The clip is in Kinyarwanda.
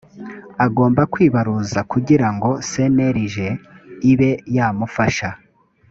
agomba kwibaruza kugira ngo cnlg ibe yamufasha